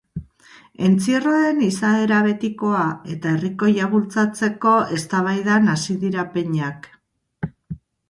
Entzierroen izaera betikoa eta herrikoia bultzatzeko eztabaidan hasi dira peñak.